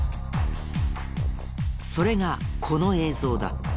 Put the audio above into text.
それがこの映像だ。